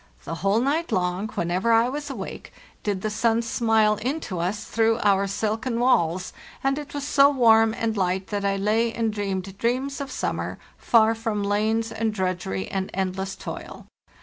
The whole night long, whenever I was awake, did the sun smile in to us through our silken walls, and it was so warm and light that I lay and dreamed dreams of summer, far from lanes and drudgery and endless toil.